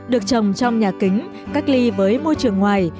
được trồng trong nhà kính cách ly với môi trường ngoài